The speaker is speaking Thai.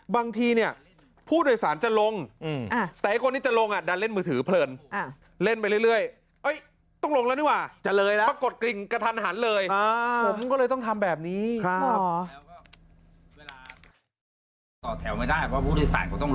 บางทีเนี่ย